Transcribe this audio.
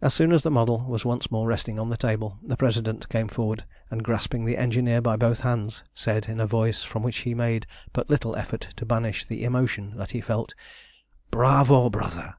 As soon as the model was once more resting on the table, the President came forward and, grasping the engineer by both hands, said in a voice from which he made but little effort to banish the emotion that he felt "Bravo, brother!